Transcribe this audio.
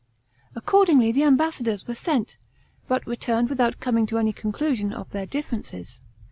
Accordingly, the ambassadors were sent, but returned without coming to any conclusion of their differences.